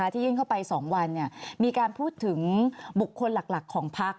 ยื่นเข้าไป๒วันมีการพูดถึงบุคคลหลักของพัก